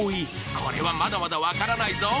これはまだまだわからないぞ。